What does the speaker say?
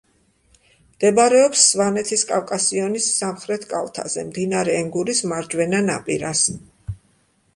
მდებარეობს სვანეთის კავკასიონის სამხრეთ კალთაზე, მდინარე ენგურის მარჯვენა ნაპირას.